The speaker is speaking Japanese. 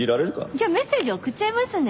じゃあメッセージ送っちゃいますね。